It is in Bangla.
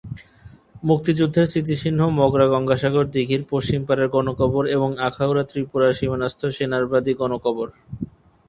মুক্তিযুদ্ধের স্মৃতিচিহ্ন মগরা গঙ্গাসাগর দীঘির পশ্চিম পাড়ের গণকবর এবং আখাউড়া ত্রিপুরা সীমানাস্থ সেনারবাদী গণকবর।